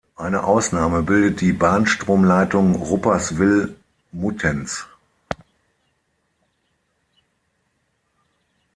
Eine Ausnahme bildet die Bahnstromleitung Rupperswil-Muttenz.